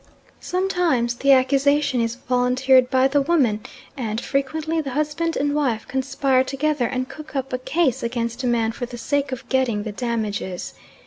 Sometimes the accusation is volunteered by the woman, and frequently the husband and wife conspire together and cook up a case against a man for the sake of getting the damages.